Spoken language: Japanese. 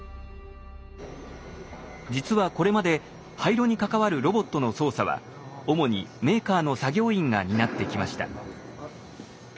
実はこれまで廃炉に関わるロボットの操作は主にメーカーの作業員が担ってきました。